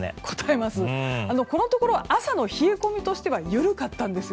このところ朝の冷え込みとしては緩かったんですよ。